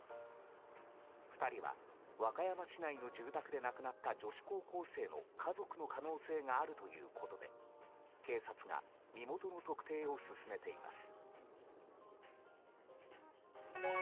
２人は和歌山市内の住宅で亡くなった女子高校生の家族の可能性があるということで警察が身元の特定を進めています。